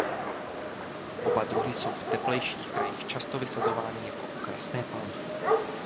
Oba druhy jsou v teplejších krajích často vysazovány jako okrasné palmy.